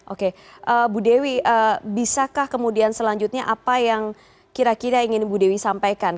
oke bu dewi bisakah kemudian selanjutnya apa yang kira kira ingin ibu dewi sampaikan